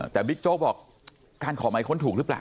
แต่บิ๊กโจ๊กบอกการขอหมายค้นถูกหรือเปล่า